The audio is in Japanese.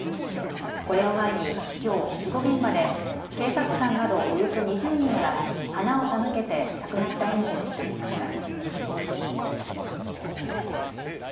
これを前にきょう事故現場で警察官などおよそ２０人が花を手向けて亡くなった園児を悼みました。